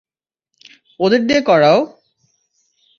ওদের দিয়ে করাও।